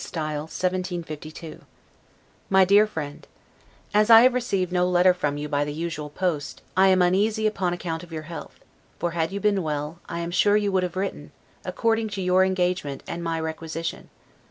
S. 1752 MY DEAR FRIEND: As I have received no letter from you by the usual post, I am uneasy upon account of your health; for, had you been well, I am sure you would have written, according to your engagement and my requisition.